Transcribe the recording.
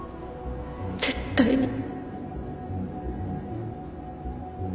絶対に